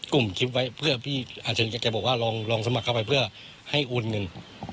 กลุ่มคลิปไว้เพื่อพี่อาจารย์แกบอกว่าลองลองสมัครเข้าไปเพื่อให้โอนเงิน